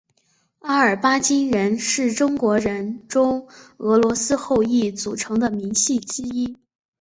阿尔巴津人是中国人中俄罗斯后裔组成的民系之一。